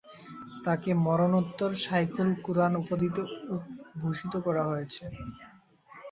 তাকে মরণোত্তর শায়খুল কুরআন উপাধিতে ভূষিত করা হয়েছে।